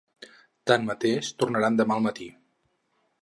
Tanmateix, tornaran demà al matí.